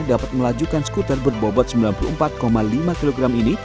dapat melajukan skuter berbobot sembilan puluh empat lima kg ini